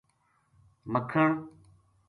مکھن